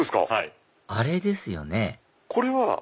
あれですよねこれは。